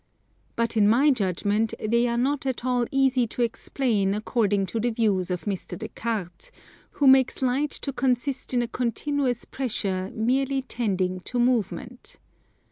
But in my judgement they are not at all easy to explain according to the views of Mr. Des Cartes, who makes Light to consist in a continuous pressure merely tending to movement.